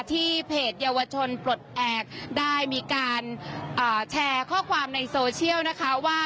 ที่เพจเยาวชนปลดแอบได้มีการแชร์ข้อความในโซเชียลนะคะว่า